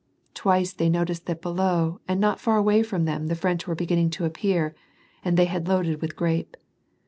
Twice they noticed that below and not far away from them the French were begin ning to appear, and they had loaded with grape.